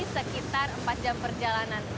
sekitar empat jam perjalanan